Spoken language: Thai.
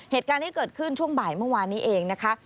เหตุการณ์ที่เกิดขึ้นช่วงบ่ายเมื่อวานนี้เองนะคะ